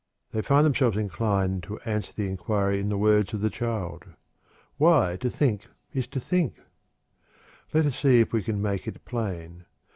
They find themselves inclined to answer the inquiry in the words of the child: "Why, to think is to think!" Let us see if we can make it plain.